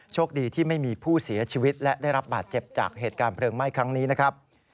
โชคดีที่ไม่มีผู้เสียชีวิตและได้รับบาดเจ็บจากเหตุการณ์เพลิงไหม้ครั้งนี้นะครับ